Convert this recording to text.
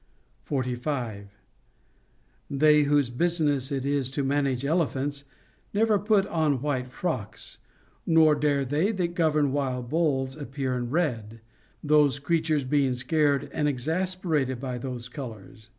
45. They whose business it is to manage elephants never put on white frocks, nor dare they that govern wild bulls appear in red, those creatures being scared and exas perated by those colors.